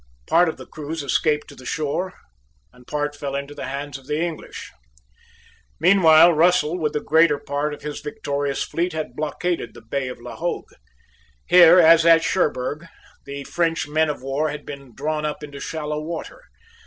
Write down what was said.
Part of the crews escaped to the shore; and part fell into the hands of the English. Meanwhile Russell with the greater part of his victorious fleet had blockaded the Bay of La Hogue. Here, as at Cherburg, the French men of war had been drawn up into shallow water.